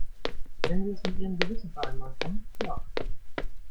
Wenn sie es mit ihrem Gewissen vereinbaren kann, ja.